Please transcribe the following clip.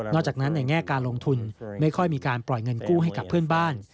จากนั้นในแง่การลงทุนไม่ค่อยมีการปล่อยเงินกู้ให้กับเพื่อนบ้าน